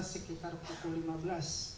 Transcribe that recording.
sekitar pukul lima belas